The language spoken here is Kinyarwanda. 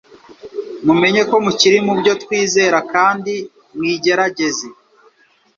mumenye ko mukiri mu byo twizera kandi mwigerageze."